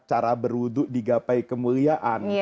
cara berwudhu digapai kemuliaan